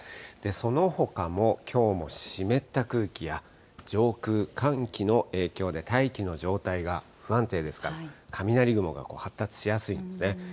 そのほかも、きょうも湿った空気や上空、寒気の影響で大気の状態が不安定ですから、雷雲が発達しやすいんですね。